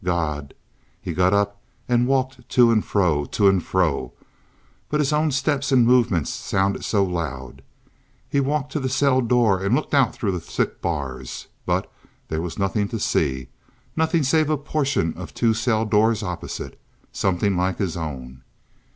God! He got up and walked to and fro, to and fro, but his own steps and movements sounded so loud. He walked to the cell door and looked out through the thick bars, but there was nothing to see—nothing save a portion of two cell doors opposite, something like his own.